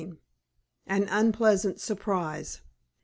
AN UNPLEASANT SURPRISE.